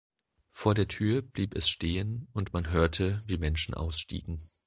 Vor der Tür blieb es stehen und man hörte, wie Menschen ausstiegen.